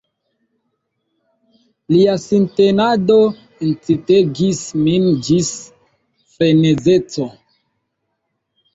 Lia sintenado incitegis min ĝis frenezeco.